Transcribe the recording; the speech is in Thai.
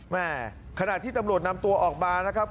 ขณะที่ตำรวจนำตัวออกมานะครับ